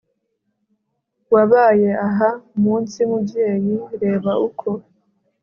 wabaye aha mu nsi mubyeyi; reba uko